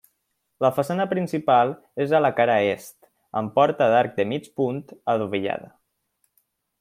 La façana principal és a la cara est, amb porta d'arc de mig punt adovellada.